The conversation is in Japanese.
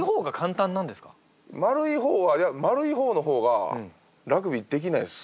そもそも丸い方はいや丸い方の方がラグビーできないっす。